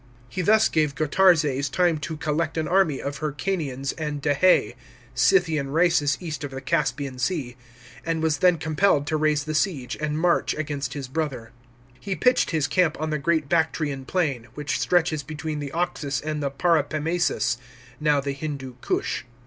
He thus gave Gotarzes time to collect an army of Hyrcanians and Dahse — Scythian races east of the Caspian sea, — and was then compelled to raise the 48 49 A.D. CIVIL WAR IN PARTHIA. 307 •iege, and march against his brother. He pitched his camp on the great Bactrian plain, which stretches between the Oxus and the Paropamisus (now the Hindoo Koosh).